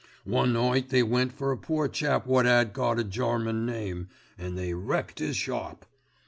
One night they went for a poor chap wot 'ad got a German name, an' they wrecked 'is shop.